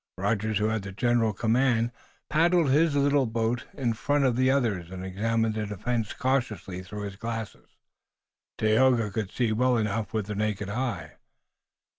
Rogers, who had the general command, paddled his boat a little in front of the others and examined the defense cautiously through his glasses. Tayoga could see well enough with the naked eye.